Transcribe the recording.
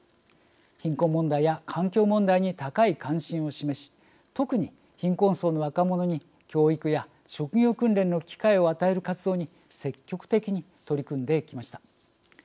貧困問題や環境問題に高い関心を示し特に貧困層の若者に教育や職業訓練の機会を与える活動に積極的に取り組んできました。